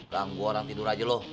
ganggu orang tidur aja loh